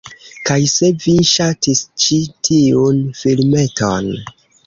Kaj se vi ŝatis ĉi tiun filmeton